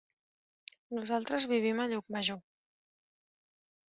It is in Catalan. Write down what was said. Nosaltres vivim a Llucmajor.